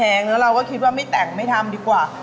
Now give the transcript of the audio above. แล้วเราก็คิดว่าไม่แต่งไม่ทำดีกว่า